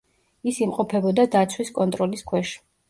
ის იმყოფებოდა დაცვის კონტროლის ქვეშ.